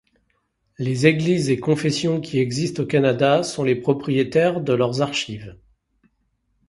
Les Églises et confessions qui existent au Canada sont les propriétaires de leurs archives.